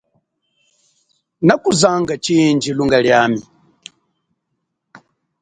Nakuzanga chindji lunga liami.